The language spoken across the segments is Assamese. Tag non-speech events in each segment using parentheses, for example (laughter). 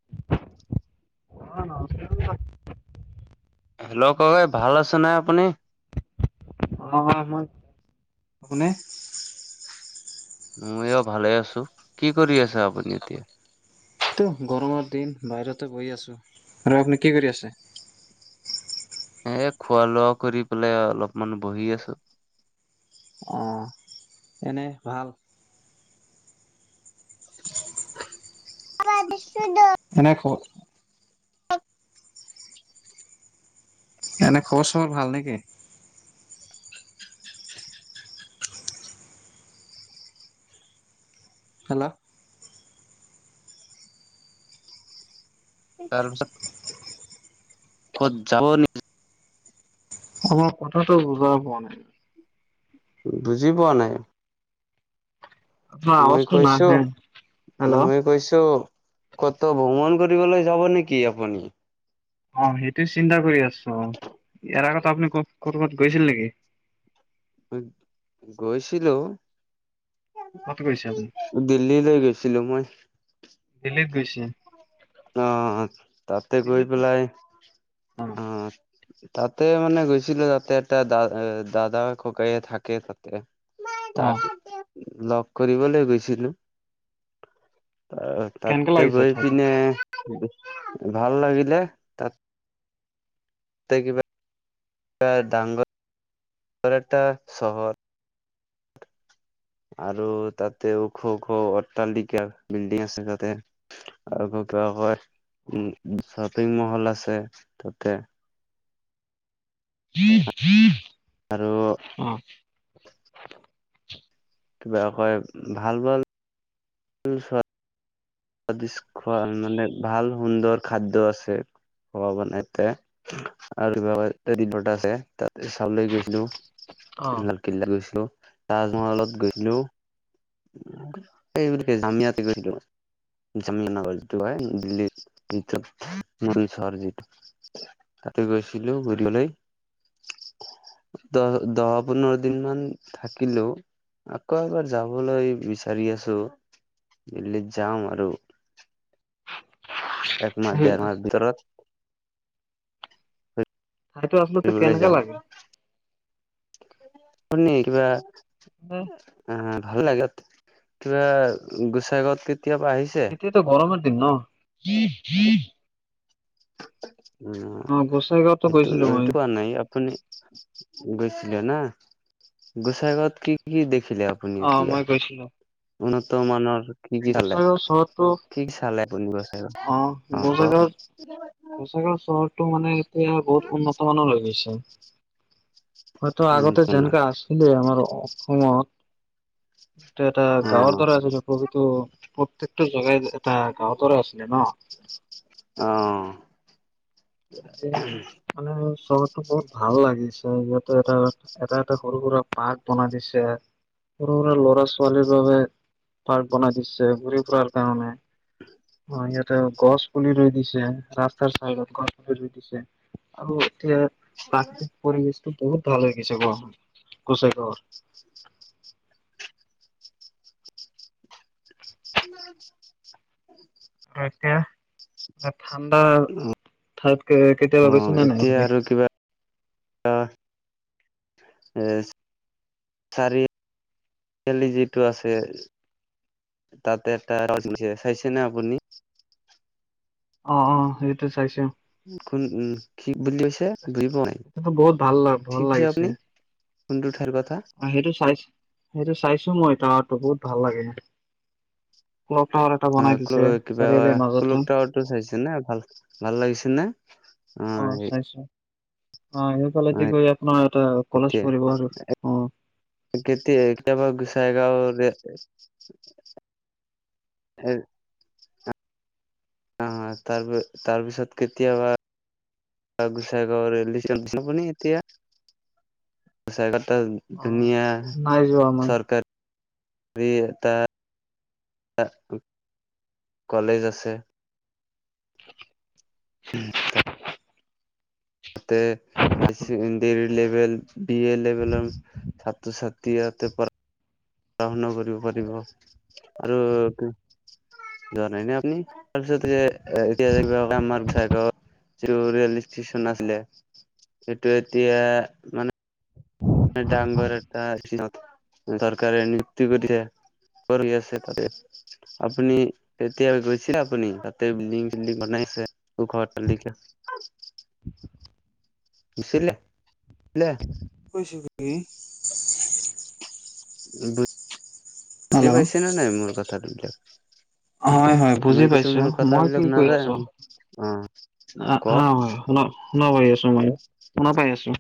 অ', নমস্কাৰ, কওক', (unintelligible) হেল্ল', ককাই ভাল আছে নে আপুনি? অ', অ', মই আপুনি? মই এয়া ভালে আছোঁ, কি কৰি আছে আপুনি এতিয়া? এইটো, গৰমৰ দিন বাহিৰতে বহি আছোঁ, আৰু আপুনি কি কৰি আছে? এ খোৱা লোৱা কৰি পেলাই অলপমান বহি আছোঁ। অ', এনে ভাল। নি দ (unintelligible) কেনেকে খবৰ? এনে খবৰ চবৰ ভাল নেকি? হেল্ল', তাৰপিছত, ক'ত যাব নেকি? আমাৰ কথাটো বুজাই হোৱা নাই'। বুজি পোৱা নাই? আপোনাৰ মই আৱাজটো কৈছোঁ, নাহে হেল্ল' মই কৈছোঁ, কত ত ভ্ৰমণ কৰিবলৈ যাব নেকি আপুনি? অ, সেইটোয়ে চিন্তা কৰি আছো। অ, ইয়াৰ আগত আপুনি ক কৰবাত গৈছিল নেকি? গৈছিলো। কত গৈছে আপুনি, দিল্লীলৈ গৈছিলো মই। দিল্লীত গৈছে? অ, তাতে গৈ দিল্লীত পেলাই অ আহ, তাতে মানে গৈছিলো তাতে এটা দা দাদা ককাই থাকে তাতে। অ তাক লগ কৰিবলে গৈছিলো। ত' কেনেকে তাতে লাগিছে গৈ ঠাইতো? পিনে ভাল লাগিলে। তাতে কিবা (unintelligible) ডাংৰ (unintelligible) ডাঙৰ এটা চহৰ। আৰু তাতে ওখ-ওখ অট্টালিকা বিল্ডিং আছে তাতে। আৰু কি বা কয় অ উম, শ্বপিং মহল আছে তাতে। জ জ (unintelligible) আৰু অ', কিবা কয় ভাল-ভাল, উ হয় (unintelligible) দিচ খোৱা মানে ভাল সুন্দৰ খাদ্য আছে। খোৱা বানাইতে আৰু এইভ বত আছে তাত চাবলে গৈছিলো। অ লালকিল্লাত গৈছিলো, তাজমহলত গৈছিলো। এইবেলি আমি ইয়াতে গৈছিলো। জামীয় নগৰ যিটো হয়। দিল্লী য'ত মুৰিন চহৰ যিটো। তাতে গৈছিলো ঘূৰিবলৈ। দহ -দহ পোন্ধৰ দিন মান থাকিলো। আকৌ এবাৰ যাবলৈ বিচাৰি আছো দিল্লীত যাম আৰু। এক মাহ সেই দেৰ মাহ ভিতৰত। ঠাইতো আচলতে ফুৰিবলৈ কেনেকে যাম লাগে? শনি কিবা। অ' অ' ভাল লাগে কিবা গোসাই গত কেতিয়াবা আহিছে। এতিয়াতো গৰমৰ দিন ন' উম অ গোসাইগাঁৱতো সেইটো- গৈছিলো মই সেইটো কোৱা নাই আপুনি। গৈছিলে না গোসাই গাঁৱত কি কি দেখিলে আপুনি অ এতিয়া। মই গৈছিলো। উন্নতমানৰ। কি কি চালে গোসাইগাঁও চহৰটো কি কি চালে আপুনি গোঁসাই গাঁৱত অ' কওক। গোসাই গাঁও চহৰটো মানে এতিয়া বহুত উন্নত মানৰ হৈ গৈছে। হয়তো উম আগতে শুনা যেনেকা আছিলে আমাৰ অসমত। এটা -এটা অ গাঁৱৰ দৰে আছিল, প্ৰতিতো প্ৰত্যেকটো জেগাই। এটা গাঁৱৰ দৰে আছিলে ন' অ মানে চহৰতটো বহুত ভাল লাগিছে, ইয়াতে এটা এটা এটা সৰু সুৰা পাৰ্ক বনাই দিছে, সৰু সুৰা ল'ৰা - ছোৱালীৰ বাবে পাৰ্ক বনাই দিছে ঘুুৰি ফুৰাৰ কাৰনে। অ' ইয়াতে গছ পুলি ৰুই দিছে ৰাস্তাৰ চাইডত গছ পুলি ৰুই দিছে। আৰু এতিয়া প্ৰাকৃতিক পৰিৱেশটো বহুত ভাল হৈ গৈছে গাঁও খনত গোসাই গাঁৱত। (inaudible) আৰু এতিয়া তাত ঠাণ্ডা। ভালকে কেতিয়াবা। গৈছে অ' নে নাই এতিয়া আপুনি আৰু কিবা। চাৰি চাৰিআলি যিটো আছে। তাতে এটা চাইছেনে আপুনি? অ' অ' সেইটো চাইছো। কোন উম, কি বুলি কৈছে বুজি পাই সেইটোতো বহুত ভাল কি ভাল কৈছে লাগিছে আপুনি? কোনটো ঠাইৰ কথা? সেইটো চাই সেইটো চাইছো মই তো বহুত ভাল লাগে। কল্ক টাৱাৰ এটা বনাই দিছে চাৰিআলিৰ মাজতে। টো চাইছে নে ভাল ভাল লাগিছে নে? অ' চাইছো, অ সেইফালেদি গৈ আপোনাৰ এটা কলেজ পঢ়িব আৰু অ'। কেতি কেতিয়াব গোসাই গাঁওৰে (inaudible) অ' তাৰ তাৰপিছত কেতিয়াবা গুচাই গাঁৱৰে (inaudible) অ ধুনীয়া নাই যোৱা মই চৰকাৰী এটা এটা কলেজ আছে। ততে high secondary level, B A লেভেলৰ ছাত্ৰ - ছাত্ৰী ইয়াতে পৰ গ্ৰহন কৰিব পাৰিব আৰু যোৱা নাই ন আপুনি তাৰপিছত এ (inaudible) যিটো ৰেল ষ্টেচন আছিলে, সেইটো এতিয়া মানে ডাঙৰ এটা চৰকাৰে নিযুক্তি কৰিছে। কৰি আছে তাতে। আপুনি এতিয়া গৈছে আপুনি তাতে বিল্ডিং - চিল্ডিং বনাই আছে। তোৰ ঘৰত পালি এতিয়া। নিছি লে কৈছো কি বুজি হেল্ল' পাইছে নে নাই মোৰ কথাটোবিলাক? হয় হয় বুজি পাইছো? মই কি শুনা কৈ যায় আছো? অ অ অ কওক হয় শুন শুন পি আছো মই শুনৰ পাই আছো।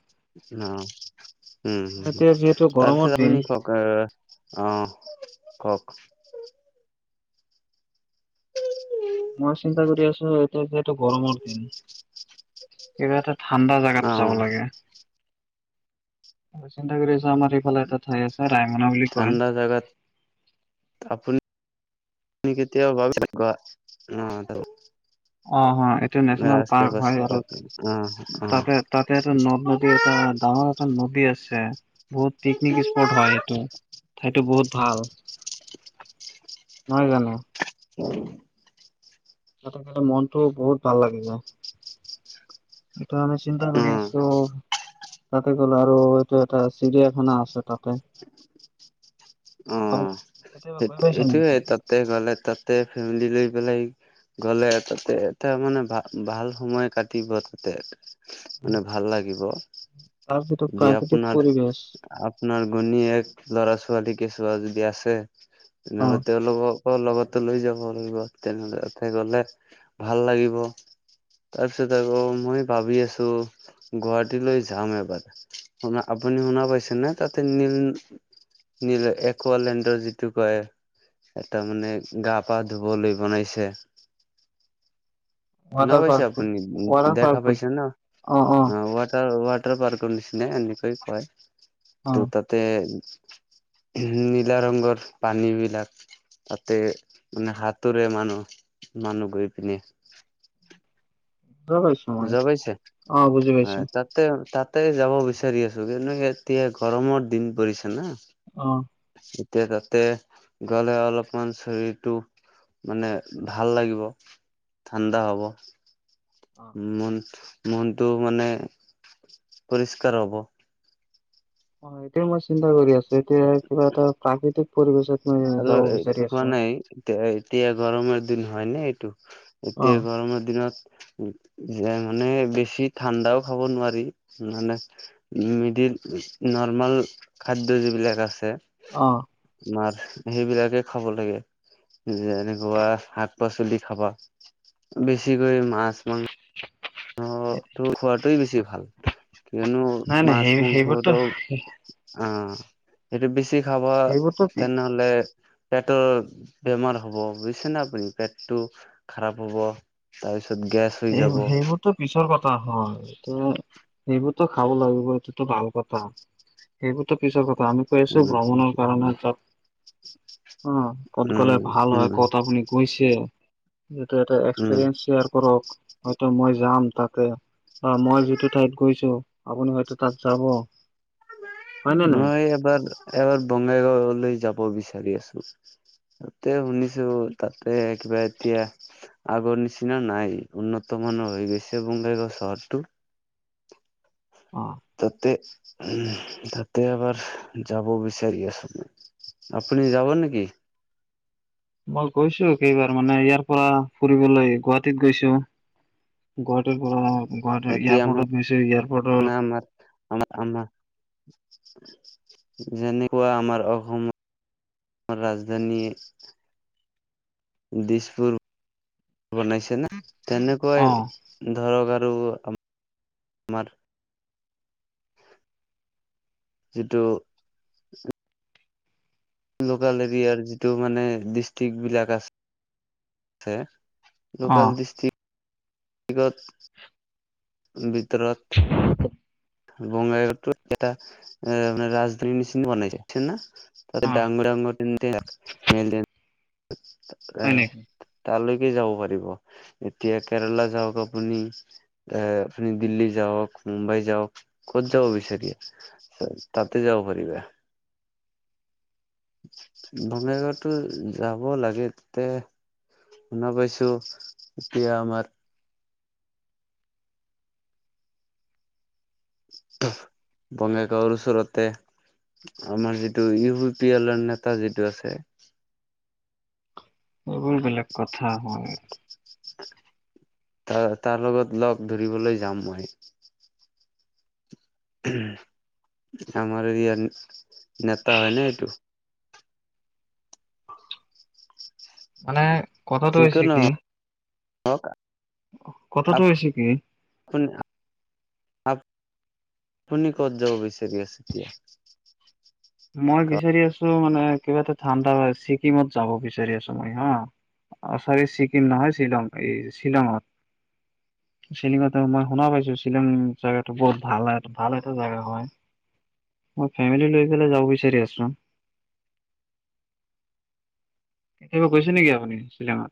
অ উম হ এতিয়া যিহেতু গৰমৰ তাৰপিছত দিন আপুনি কওক? অঁ অ কওক? মই চিন্তা কৰি আছো এতিয়া যিহেতু গৰমৰ দিন কিবা এটা ঠাণ্ডা অ জাগাত যাব লাগে। চিন্তা কৰি আছ আমাৰ এইফালে এটাত। চাই আছ ৰাই মন ' ঠাণ্ডা জাগাত আপুনি তুমি কেতিয়া ভাবিছা কোৱা, উম। অঁ অঁ এইটো নেচনেল পাৰ্ক হয় পাছত আৰু অ তাতে তাতে এটা ন ন তে এটা ডাঙৰ এটা নদী আছে, বহুত পিকনিক স্পট হয় এইটো। সেইটো বহুত ভাল নহয় জানো। (unintelligible) তাত কিন্তু মনতো বহুত ভাল লাগি যায়। এইটো আমি চিন্তা কৰি অ আছো তাতে গল আৰু এইটো এটা চিৰিয়াখানা আছে। তাত অঁ সেই সেইটোয়ে তাতে গ'লে তাতে ফেমিলি লৈ পেলাই গ'লে তাতে তাৰ মানে ভাল ভাল সময় কাটিব তাতে। মানে ভাল লাগিব, তাৰ যিটো দে প্ৰাকৃতিক আপোনাৰ পৰিৱেশ আপোনাৰ ঘৈনিয়েক, ল'ৰা - ছোৱালী কেচুৱা যদি আছে অ তেনেহ'লে তেওঁ লগ লগতো লৈ যাব লাগিব তেনেতে গলে ভাল লাগিব। তাৰ পিছত আকৌ মই ভাবি আছো গুৱাহাটীলৈ যাম এবাৰ। শুনা আপুনি শুনা পাইছে ন তাতে নীল নল একোৱালেণ্ডৰ যিটো কয়। এটা মানে গা পা ধুবলৈ বনাইছে। (inaudible) শুনা পাইছে পাৰ্ক বুলি, আপুনি ৱাটাৰ পাৰ্ক দেখা বুলি পাইছে ন অ অ ৱাটাৰ পাৰ্কৰ নিচিনা এনেকৈ কয় অ কিন্তু তাতে। নীলা ৰঙৰ পানী বিলাক। তাতে মানে হাতোৰে মানুহ মানুহ গৈ পিনে। (unintelligible) যাই পাইছে অ বুজি পাইছো তাত। তা তাতে যাব বিচাৰি আছো কিন্তু এতিয়া গৰমৰ দিন পৰিছে না। অঁ এতিয়া তাতে গ'লে অলপমান শৰীৰটো। মানে ভাল লাগিব ঠাণ্ডা হ'ব। অ মন মনটো মানে পৰিষ্কাৰ হ'ব। অ এতিয় মই চিন্তা কৰি আছো এতিয়া কিবা এটা প্ৰাকৃতিক পৰিৱেশত মই আৰু যাব এইটো বিচাৰি কোৱা আছো। নাই এতিয়া এতিয়া গৰমৰ দিন হয় নে এইটো অ এতিয়া গৰমৰ দিনত। যে মানে বেছি ঠাণ্ডাও খাব নোৱাৰি মানে। মড নৰ্মাল খাদ্য যিবিলাক আছে। অঁ মাছ, সেইবিলাকে খাব লাগে। যেনেকুৱা শাক-পাচলি খাবা বেছিকৈ মাছ, মাংস খোৱাতোৱে বেছি ভাল, কিয়নো নাই নাই মাছ সেই সেইবোৰতো মাংসটো অ, এইটো বেছি খাব সেইবোৰতো তে লে পেটৰ বেমাৰ হ'ব, বুজিছে নে আপুনি পেটটো খাৰাপ হ'ব, তাৰপিছত গেছ হৈ যাব। টো পিছৰ কথা হয়, এয়া সেইবোৰ খাব লাগিব এইটোতো ভাল কথা। সেইবোৰতো পিছৰ কথা আমি গৈ আছো উম ভ্ৰমণৰ কাৰণে তাত। অ, ক'ত গ'লে উম ভাল হয়, উম ক'ত আপুনি গৈছে। যিটো এটা উম এক্সপেৰিয়েন্স শ্বেয়াৰ কৰক হয়তো মই যাম তাতে। অ, মই যিটো ঠাইত গৈছো আপুনি হয়তো তাত যাব। হয় নে নাই মই এবাৰ-এবাৰ বঙগাইগওলৈ যাব বিচাৰি আছো। তাতে শুনিছো তাতে কিবা এতিয়া আগৰ নিচিনা নাই, উন্নত মানৰ হৈ গৈছে বঙগাইগাঁও চহৰটো। অ তাতে উম, তাতে এবাৰ যাব বিচাৰি আছো। আপুনি যাব নেকি? মই গৈছো কেইবাৰ মানে ইয়াৰ পৰা ফুৰিবলৈ গুৱাহাটীত গৈছো। গুৱাহাটীৰ পৰা গুৱাহাটীৰ এতিয়া এয়াৰপৰ্টত গৈছে, এয়াৰপৰ্টত আ আমা (unintelligible) যেনেকুৱা আমাৰ অসমৰ ৰাজধানী দিছপুৰ বনাইছে ন অ তেনেকুৱাই ধৰক আৰু আ যিটো লোকেল এৰিয়াৰ যিটো মানে ডিষ্ট্ৰিক বিলাক আছে লোকেল অ ডিষ্ট্ৰিকত ভিতৰত বংগাইগৰ এটা মানে ৰাজধানী নিচিনা বনাইছে (unintelligible) তাতে অ ডাঙৰ-ডাঙৰ হয় নেকি (unintelligible) তালৈকে যাব পাৰিব এতিয়া কেৰেলা যাওক আপুনি এ আপুনি দিল্লী যাওক, মুম্বাই যাওক। ক'ত যাব বিচাৰে, তাতে যাব পাৰিবা। বঙাইগাওতো যাব লাগে তেয়া শুনা পাইছো এতিয়া আমাৰ বঙাইগাঁওৰ ওচৰতে আমাৰ যিটো ইউ পি এলৰ নেতা যিটো আছে। এইবোৰ বেলেগ কথা শ তাৰ-তাৰ লগত লগ ধৰিবলৈ যাম মই। আমাৰ এইৰিয়া নেতা হয় নে এইটো। মানে কথাটো হৈছে যিকোনো হওক কি-কথাটো হৈছে কি? আপ আপুনি কত যাব বিচাৰি আছিলে (unintelligible) মই বিচাৰি আছো, মানে কিবা এটা ঠাণ্ডা ছিকিমত যাব বিচাৰি আছো মই হা। অ, চৰি ছিকিম নহয় শ্বিলং এই শ্বিলঙত। শ্বিলিঙত মই শুনা পাইছো শ্বিলিং জেগাটো বহুত ভাল-ভাল এটা জেগা হয়। মই ফেমিলি লৈ পেলাই যাব বিচাৰি আছো। কেতিয়াবা গৈছে নেকি আপুনি শ্বিলঙত।